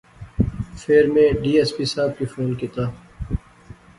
فیر میں ڈی ایس پی صاحب کی فون کیتیا